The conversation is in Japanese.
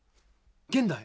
現代？